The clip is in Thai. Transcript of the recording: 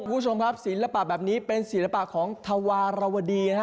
คุณผู้ชมครับศิลปะแบบนี้เป็นศิลปะของธวารวดีนะฮะ